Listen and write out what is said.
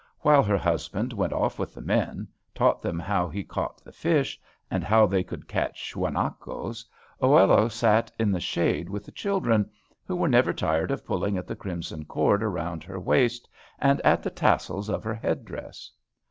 While her husband went off with the men, taught them how he caught the fish, and how they could catch huanacos, Oello sat in the shade with the children, who were never tired of pulling at the crimson cord around her waist, and at the tassels of her head dress.